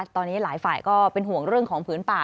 ตอนนี้หลายฝ่ายก็เป็นห่วงเรื่องของผืนป่า